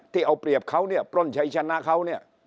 ที่เอาเปรียบเขาปล้นใช้ชนะเขา